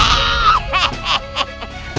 jangan ganggu dia